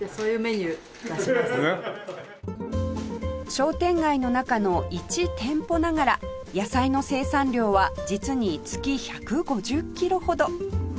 商店街の中のいち店舗ながら野菜の生産量は実に月１５０キロほど！